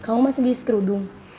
kamu masih di skrudung